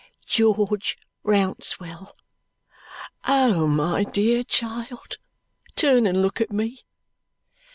"George Rouncewell! Oh, my dear child, turn and look at me!"